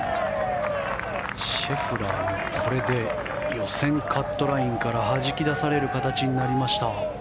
シェフラーもこれで予選カットラインからはじき出される形になりました。